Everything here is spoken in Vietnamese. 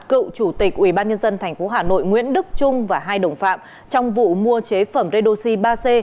cựu chủ tịch ubnd tp hà nội nguyễn đức trung và hai đồng phạm trong vụ mua chế phẩm redoxi ba c